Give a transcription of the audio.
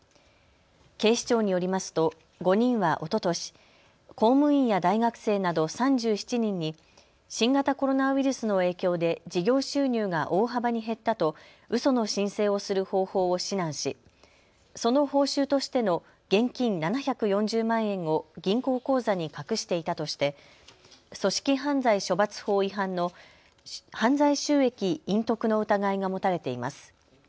警視庁によりますと５人はおととし、公務員や大学生など３７人に新型コロナウイルスの影響で事業収入が大幅に減ったとうその申請をする方法を指南しその報酬としての現金７４０万円を銀行口座に隠していたとして組織犯罪処罰法違反の犯罪収益隠匿の疑いが持たれています。